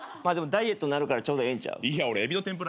まあでもダイエットなるからちょうどええんちゃう？